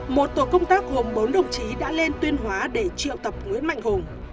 một tổ công tác gồm bốn đồng chí đã lên tuyên hóa để triệu tập nguyễn mạnh hùng